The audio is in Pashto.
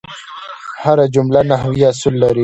هره جمله نحوي اصول لري.